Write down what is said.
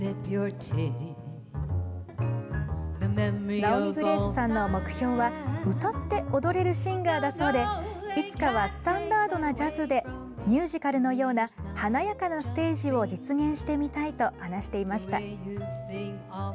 ナオミ・グレースさんの目標は歌って踊れるシンガーだそうでいつかはスタンダードなジャズでミュージカルのような華やかなステージを実現してみたいと話していました。